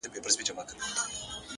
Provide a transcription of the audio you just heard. د پخلي لوګی د کور د شتون نښه وي،